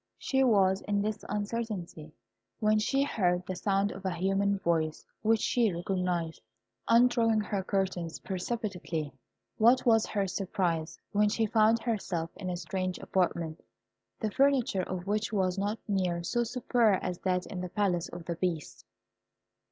She was in this uncertainty when she heard the sound of a human voice which she recognised. Undrawing her curtains precipitately, what was her surprise when she found herself in a strange apartment, the furniture of which was not near so superb as that in the Palace of the Beast.